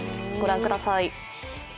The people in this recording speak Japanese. ご覧ください。